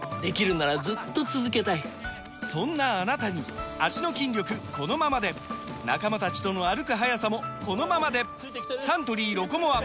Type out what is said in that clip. そんなあなたに脚の筋力このままで仲間たちとの歩く速さもこのままでサントリー「ロコモア」！